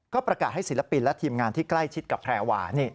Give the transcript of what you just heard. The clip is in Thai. ก็ประกาศให้ศิลปินและทีมงานที่ใกล้ชิดกับแพรวา